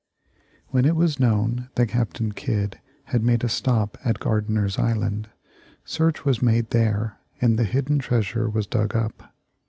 When it was known that Captain Kidd had made a stop at Gardiner's Island, search was made there and the hidden treasure was dug up.